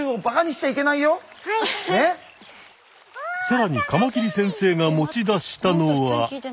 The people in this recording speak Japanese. さらにカマキリ先生が持ち出したのは。